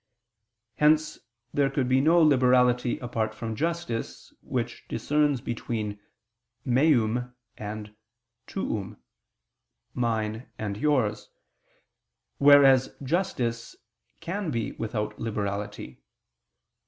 Hence there could be no liberality apart from justice, which discerns between "meum" and "tuum": whereas justice can be without liberality.